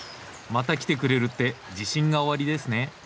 また来てくれるって自信がおありですね？